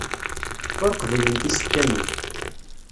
Ur qbilent isefka-nni.